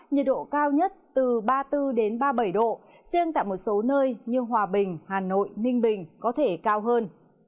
nhiệt độ cao nhất từ ba mươi bốn ba mươi bảy độ riêng tại một số nơi như hòa bình hà nội ninh bình có thể cao hơn